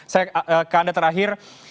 saya ke anda terakhir